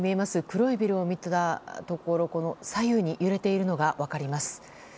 黒いビルが左右に揺れているのが分かります。